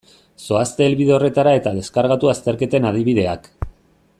Zoazte helbide horretara eta deskargatu azterketen adibideak.